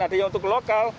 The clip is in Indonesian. artinya untuk lokal